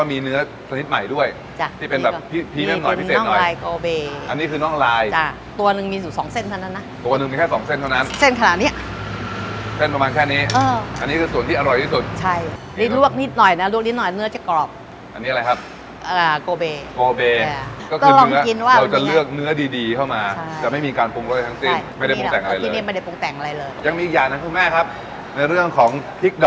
อันนี้เนื้อเป่ยจากชนิดนี้อันนี้เนื้อเป่ยจากชนิดนี้อันนี้เนื้อเป่ยจากชนิดนี้อันนี้เนื้อเป่ยจากชนิดนี้อันนี้เนื้อเป่ยจากชนิดนี้อันนี้เนื้อเป่ยจากชนิดนี้อันนี้เนื้อเป่ยจากชนิดนี้อันนี้เนื้อเป่ยจากชนิดนี้อันนี้เนื้อเป่ยจากชนิดนี้อันนี้เนื้อเป่ยจากชนิดนี้อันนี้เนื้อเป่